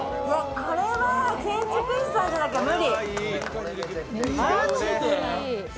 これは建築士さんじゃなきゃ無理。